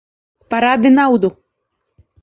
Parādi naudu!